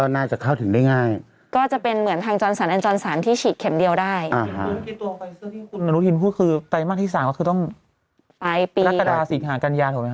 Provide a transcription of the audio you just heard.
นักกระดาษิงหากัญญาถูกไหมคะ